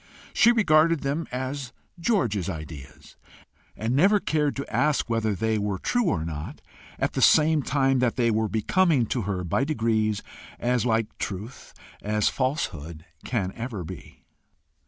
She regarded them as "George's ideas," and never cared to ask whether they were true or not, at the same time that they were becoming to her by degrees as like truth as falsehood can ever be.